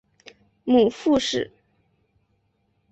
母傅氏。